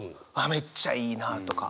めっちゃいいなあとか。